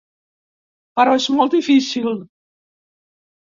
Però és molt difícil.